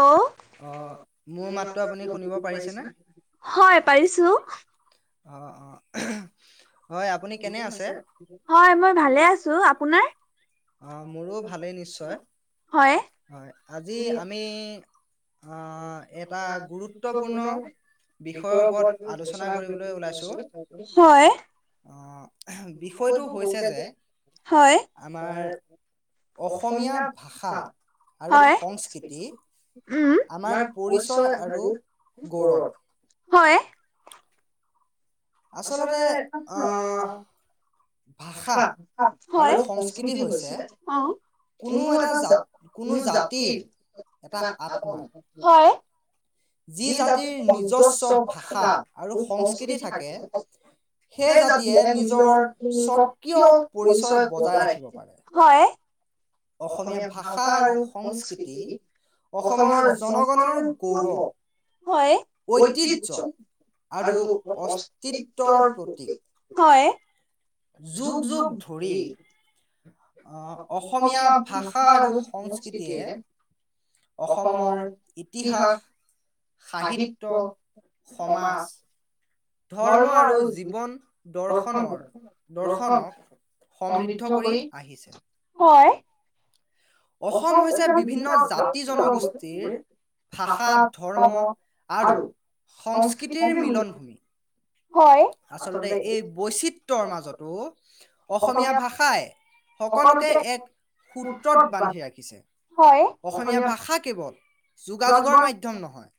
অ অ মোৰ মাতটো আপুনি শুনিব পাৰিছেনে হয় পাৰিছো। আপুনি ভালে আছে। হয় মই ভালে আছো। আপোনাৰ, মইওঁ ভালে আছোঁ আৰু হয় আপুনি। ই। [inaudible] এটা গুৰুতপূৰ্ণ বিষয়ৰ ওপৰত আলোচনা কৰিব ওলাইছো। হয়, বিষয়টো হৈছে যে অসমীয়া ভাষা আৰু সংস্কৃতিৰ হয়। ওম। আমাৰ পৰিচয় আৰু গৌৰৱ হয়। আচলতে আহ ভাষা হয়, সংস্কৃতি হৈছে অঁ কোনো এটা জাতি কোনো জাতিৰ এটা আদন হয়। যি জাতিৰ নিজস্ব ভাষা সংস্কৃতি থাকে। সেই জাতিয়ে নিজৰ স্বকীয় পৰিচয় বজাই ৰাখে হয়। অসমীয়া ভাষা আৰু সংস্কৃতি অসমৰ জনগৰ ফলত হয় ঐতিয্য আৰু অস্তিত্বৰ প্ৰতীক হয়। যুগ যুগ ধৰি। অ অসমীয়া ভাষা আৰু সংস্কৃতি অসমৰ ইতিহাস সাহিত্য সমাজ ধৰ্ম আৰু জীৱন দৰ্শনৰ দৰ্শনক সমৃদ্ধ কৰি হয় অসম হৈছে বিভিন্ন জাতি জনগোষ্ঠীৰ ভাষা ধৰ্ম আৰু সংস্কৃতিৰ মিলনভূমি আচলতে এই বৈচিত্ৰৰ মাজতো অসমীয়া ভাষাই সকলোকে এক সূত্ৰত বান্ধি ৰাখিছে অসমীয়া ভাষা কেৱল যোগাযোগৰ মাধ্যম নহয়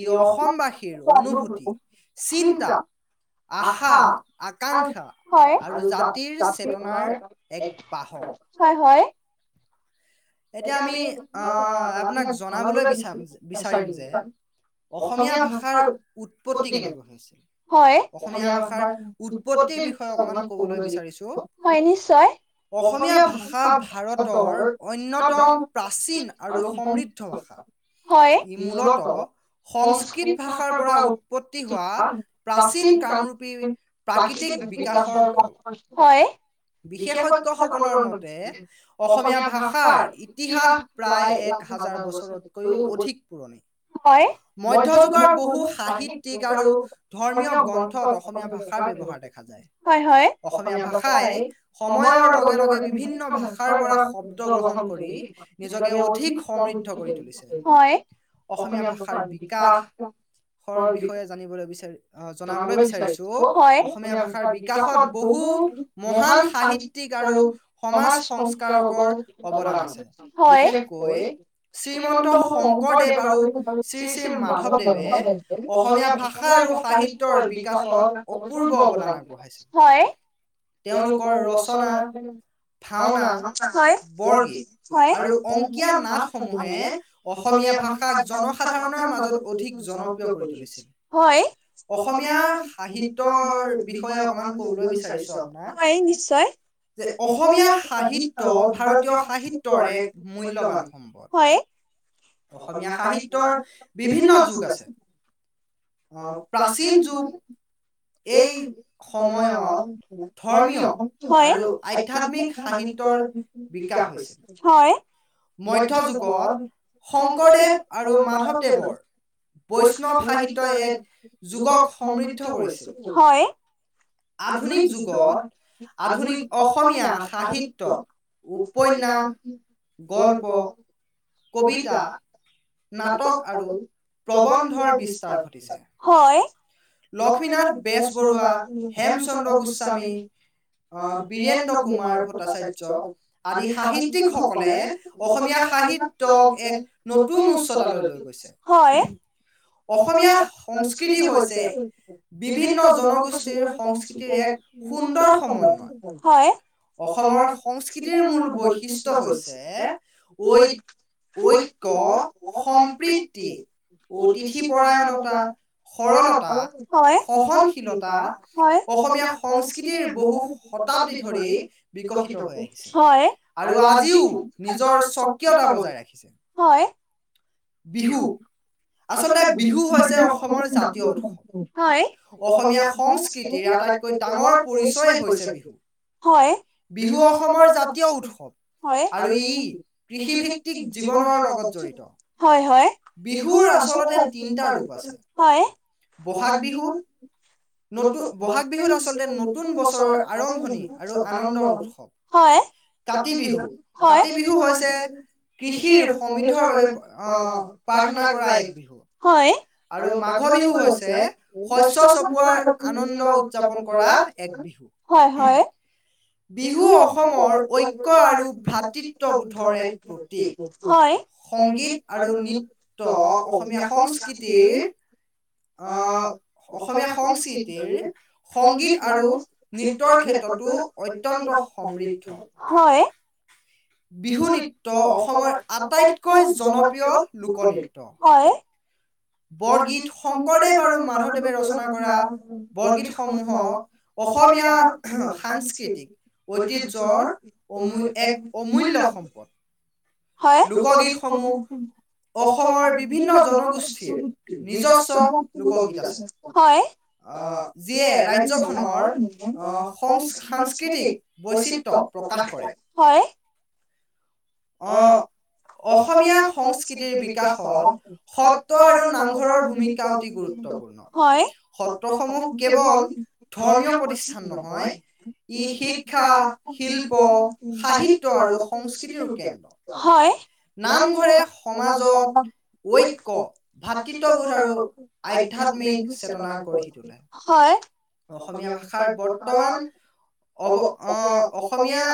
ই অসমবাসীৰ অনুভূতি চিন আহা হয় আৰু জাতী জনতাৰ এক হয় হয় [inaudible] এতিয়া আমি আহ আপোনাক জনাবলৈ বিচাৰ বিচাৰিম যে অসমীয়া ভাষাৰ উৎপত্তি কেনেকৈ হৈছিল অসমীয়া ভাষাৰ উৎপত্তিৰ বিষয়ে অকমান কবলৈ বিচাৰিছো অসমীয়া ভাষা ভাৰতৰ তম প্ৰ আৰু সং্ হয় মূলত সংস্কৃত ভাষাৰ পৰা উোৱা প্ৰীন প্ৰাকৃতি বি হয় বিশেষ কথাাব অসমীয়া [unintelligible] [unintelligible] [unintelligible] ভা ইতিহাস হয় [unintelligible] মধ্যযুগৰ কোনো সাহিত্যক আৰু ধৰ্মীয় গ্ৰন্থ অসমীয়া ভাষা নহয় হয় হয় অসমীয়া ভাষাই সময়ৰ লগে লগে বিভিন্ন ভাষাৰ পৰা গ্ৰহণ কৰি নিজকে অধিক সমৃদ্ধ কৰি তুলিছে অসমীয়া ভাষাৰ বিকাশৰ বিষয়ে জানিবলৈ বিচাৰ আহ জনাবলৈ বিচাৰিছো অসমীয়া ভাষাৰ বিকাশত বহু মহান সাহিত্যক আৰু সমাজ সংস্কাৰকৰ অৱদান হয়। বিশেষকৈ শ্ৰীমন্ত শংকৰদেৱ আৰু শ্ৰী-শ্ৰী মাধৱদেৱে অসমীয়া ভাষা আৰু সাহিত্যয়ৰ বিকাশত অপূৰ্ব অৱদান, হয়। তেওঁলোকৰ ৰচনা, ভাওনা, হয়। বৰগীত আৰু অংকীয়া নাটসমূহে অসমীয়া ভাষাৰ মাজত অধিক জনপ্ৰিয় কৰি আহিছে, হয়। অসমীয়া সাহিত্য বিষয়ে অকণমান কব বিচাৰিছো আপোনাক। হয়, নিশ্চয়। যে অসমীয়া সাহিত্য ভাৰতীয় সাহিত্যৰ এক মূল্যৱান সম্পদ অসমীয়া সাহিত্যৰ বিভিন্ন যুগ আছে, প্ৰাচীন যুগ এই সময়ত ধৰ্মীয়, হয়। আৰু আধ্যয়াত্মিক সাহিত্যৰ বিকাশ হৈছে, হয়। মধ্যযুগত শংকৰদেৱ আৰু মাধৱদেৱে বৈষ্ণৱ সাহিত্য এক যুগক সমৃদ্ধ কৰিছিল। হয়। আধুনিক যুগত আধুনিক অসমীয়া সাহিত্য উপন্যাস, গল্প কবিতা তা নাটক আৰু প্ৰবন্ধৰ বিস্তায়। হয়। লক্ষ্মীনাথ বেজবৰুৱাৰ, হেম চন্দ্ৰ গোস্বামী আহ বীৰেন্দ্ৰ কুমাৰ ভট্টাচাৰ্য আদি সাহিত্যক সকলে অসমীয়া সাহাত্যক এক নত উচ্চতালৈ। হয়। অসমীয়া সংস্কৃতি হৈছে বিভিন্ন জনগোষ্ঠীৰ সংস্কৃতিৰ এক সুন্দৰ সময়। হয়। অসমৰ সংস্কৃতিৰ মূল বৈশিষ্টয় হৈছে ঐ-ঐ ক সম্প্ৰীতি, অতিথিপৰায়নতা, সৰলতা, হয়। সনশীলতা, হয়। অসমীয়া সংস্কৃতিৰ বহু প্ৰতাবদী ধৰি বিকশিত হ হয়। আৰু আজিও নিজৰ স্বকীয়তা বজাই বিহু, আচলতে বিহু পছে অসমৰ জাতীয় হয়। অসমীয়া সংস্কৃতি ইয়াত এক ডাঙৰ পৰিচয় হৈছে হয়। বিহু অসমৰ জাতীয়, হয়। আৰু ই কৃষিভিত্তিক লগত জড়িত। হয়-হয়। বিহুৰ আচলতে তিনটা ৰূপ আছে। হয়। বহাগ বিহু, বহাগ বিহু হৈছে নতুন বছৰৰ আন আনন্দ। হয়। কাতি বিহু, হয়। কাতি বিহু হৈছে কৃষিৰ সংগী থোৱাৰ বাবে অ প্ৰাৰ্থনা কৰা হয়। আৰু মাঘৰ বিহু হৈছে শস্য চপোৱা উদযাপন কৰা হয়-হয়। বিহু অসমৰ ঐক্য আৰু ভাতৃতবোধৰ এক প্ৰতীক হয়। সংগীত আৰু নৃত্য অসমীয়া সংস্কৃতিৰ আহ অসমীয়া সংস্কৃতিৰ সংগীত আৰু নৃত্যৰ ক্ষেত্ৰতো অত্যন্ত সমৃদ্ধ, হয়। বিহুনৃত্য অসমৰ আটাইতকৈ জনপ্ৰিয় লোকনৃত্য। হয়। বৰগীত শংকৰদেৱ আৰু মধৱদেৱে ৰচনা কৰা বৰগীতসমূহক অসমীয়া সাংস্কৃতিক ঐতিহ্যৰ এক অমূল্য সম্পদ। হয়। লোকগীত সমূহ অসমৰ বিভিন্ন জনগোষ্ঠীৰ নিজস্ব লোকগীত আছে। হয়। আহ যিয়ে ৰাজ্যখনৰ সাংস্কৃতিক বৈচিত্ৰ প্ৰকাশ কৰে। হয়। অ অসমীয়া সংস্কৃতিৰ বিকাশত সত্ৰ আৰু নামঘৰৰ ভূমিকা অতি গুৰুত্বপূৰ্ণ হয় সত্ৰসমূহ কেৱল ধৰ্মীয় প্ৰতিশিতি নহয়, ই শিক্ষা শিল্প সাহিত্য আৰু সংস্কৃতিৰ কে হয় নামঘৰত সমাজ ঐক্য, ভাতৃত্ববোধ আৰু আধ্যাত্মিক চেতনা কৰা হয়। অসমীয়া ভাষাৰ বৰ্তমান অৱ অ অসমীয়া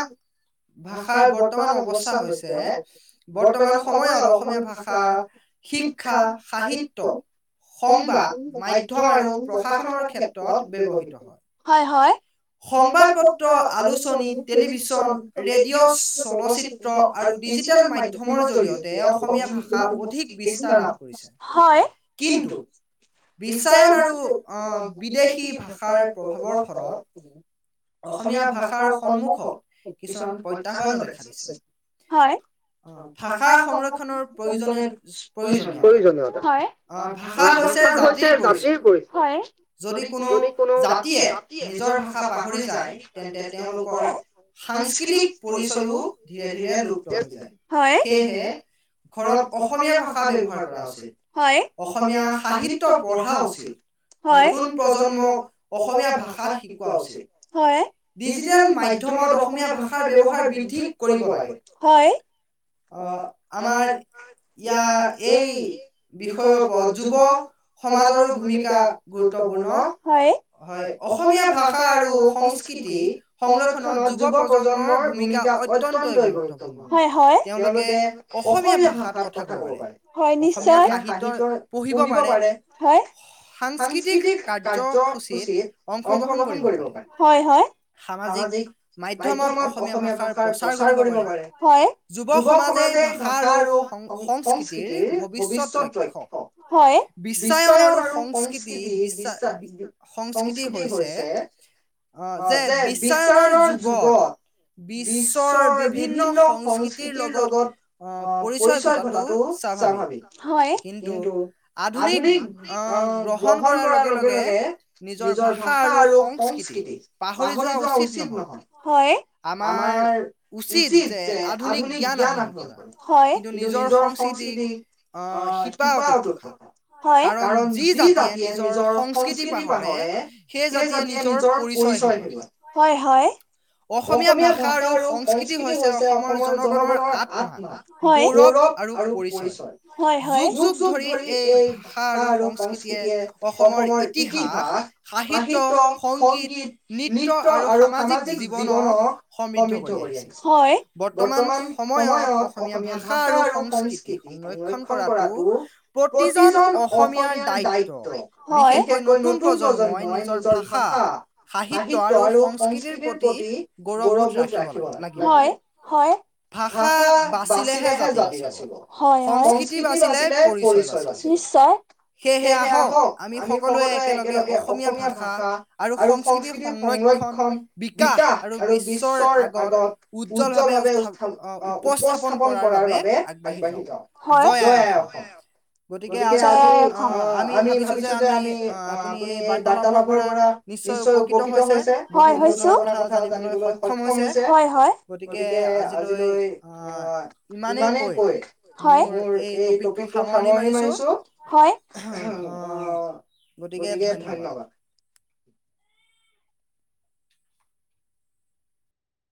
ভাষাৰ বৰ্তমান অৱস্থা হৈ বৰ্তমান সময়ত অসমীয়া ভাষা, শিক্ষা, সাহিত্য, সংবাদ মাধ্য আৰু প্ৰশাসনৰ ক্ষেত্ৰত ব্যৱহৃত। হয় হয় সংবাদ পত্ৰ আলোচনী টেলিভিশন ৰেডিঅ' চলচিত্ৰ ট্ৰ আৰু ডিজিটেল মাধ্যমৰ জৰিয়তে অসম হয় কিন্তু আৰু বিদেশী ভাষাৰ প্ৰভাৱৰ ফলত অসমীয়া ভাষাৰ সন্মুখ কিছুমান প্ৰত্যাবান দেখা গৈছে হয়, ভাষা প্ৰয়োজনীয় হয় ভাষা যদি কোনো জাতিয়ে নিজৰ ভাষা পাহৰি যায় তেন্তে তেওঁলোকৰ সাংস্কৃতিক পৰিচয়ো সেয়হে ঘৰত অসমীয়া ভাষা ব্যৱহাৰ কৰা উচিত। হয় অসমীয়া সাহিত্য পঢ়া উচিত হয় কোন প্ৰজন্মক অসমীয়া ভাষা শিকোৱা উচিত হয় ডিজিটেল মাধ্যমত অসমীয়া ভাষাৰ ব্যৱহাৰ বৃদ্ধিত কৰিব লাগে, হয়। অ আমাৰ ইয়াৰ এই বিষয়কত যুৱ সমাজৰো ভূমিকা গুৰুত্বপূৰ্ণ। হয় হয় অসমীয়া ভাষা আৰু সংস্কৃতি সংৰক্ষণত যুৱ প্ৰজন্মৰ ভূমিকা অ ই গুৰুত্ব হয় হয় তেওঁলোকে অসমীয়া ভাষাত কথা কব পাৰে। হয় নিশ্চয়, সাহিত্য পঢ়িব পাৰে। হয় সাংস্কৃতিক কাৰ্যসূচীত অংশগ্ৰহণ কৰিব পাৰে। হয় হয়, সামাজিক মাধ্যমত অসমীয়া ভাষাৰ প্ৰচাৰ কৰিব পাৰে। হয় যুৱ সমাজে ভাষা আৰু সং সংস্কৃতিৰ ভৱিষ্যত লক্ষ্য। হয়, বিশ্বায়ন আৰু সংস্কৃতি বিশ্ব সংস্কৃতি হৈছে আহ যে বিশ্বায়নৰ যুগত বিশ চৰ দি বিভিন্ন সংস্কৃতিৰ লগত আহ পৰিচয় ঘটাটো স্বাভাৱিক। হয়, কিন্তু আধুনিক আহ গ্ৰহণ কৰাৰ লগে লগে নিজৰ ভাষা আৰু সংস্কৃতি পাহৰি যোৱা উচিত নহয়। হয় আমাৰ উচিত যে আধুনিক জ্ঞান আহৰণ কৰে, হয়, কিন্তু নিজৰ সংস্কৃতি আহ শিপা অত হয় কাৰণ যি জাতিয়ে নিজৰ সংস্কৃতি পাহৰে। সেই জাতিয়ে নিজৰ পৰিচয় হেৰুৱাই, হয় হয়, অসমীয়া ভাষা আৰু অস্কিতি কৃতি হৈছে অসমৰ জনগণৰ আত্মা। হয়, গৌৰৱ আৰু পৰিচয়। হয় হয়, যুগ যুগ ধৰি এই ভাষা আৰু সংস্কৃতিয়ে অসমৰ ইতিহাস সাহিত্য সংগীত নৃত্য আৰু সামাজিক জীৱনক সমৃদ্ধ কৰি আহি হয় বৰ্তমান সময়ত অসমীয়া ভাষা আৰু সংস্কৃতি সংৰক্ষন কৰাটো প্ৰতিজন অসমীয়াৰ দায়িত্ব। হয়। বিশেষকৈ নতুন প্ৰজন্মই নিজৰ ভাষা সাহিত্য আৰু সংস্কৃতিৰ প্ৰতি গৌৰৱবোধ ৰাখিব লাগে। হয় [unintelligible] হয় ভাষা বাচিলেহে জাতি বাচিব। হয় হয়, সংস্কৃতি বাচিলে পৰিচয় বাচিব। নিশ্চয়, সেয়েহে আহক আমি সকলোৱে একেলগে অসমীয়া ভাষা আৰু সংস্কৃতি সংৰক্ষন বিকাশ আৰু বিশ্বৰ আগত উজ্জ্বলভাৱে উথাপ অ উপস্থাপন কৰাৰ বাবে আগাঢ়ি যাও, হয় জয় আই অসম, জয় আই অসম। গতিকে আমি ভাবিছো যে আমি অ আপুনি এই বাৰ্তালাৰ পৰা নিশ্চয় উপকৃত হৈছে, হয় হৈছোঁ, নজনা কথা জানিবলৈ সক্ষম হৈছে, হয় হয়। গতিকে আজি আজিলৈ অ, ইমানে পুহে। হয়, মোৰ এই টপিক টো সামৰনি মাৰিছোঁ, অ, হয়, গতিকে ধন্যবাদ।